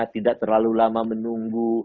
tidak terlalu lama menunggu